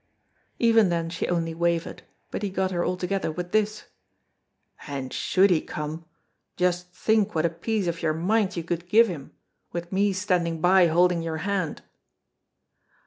Even then she only wavered, but he got her altogether with this: "And should he come, just think what a piece of your mind you could give him, with me standing by holding your hand."